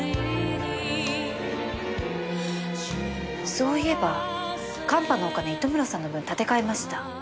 そういえばカンパのお金糸村さんの分立て替えました。